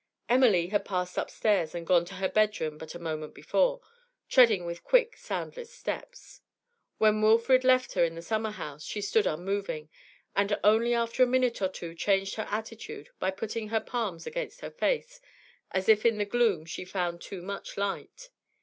Emily had passed upstairs and gone to her bedroom but a moment before, treading with quick soundless steps. When Wilfrid left her in the summer house, she stood unmoving, and only after a minute or two changed her attitude by putting her palms against her face, as if in the gloom she found too much light.